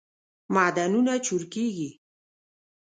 معدنونه چورکیږی